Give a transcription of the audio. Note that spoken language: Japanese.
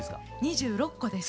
２６個です。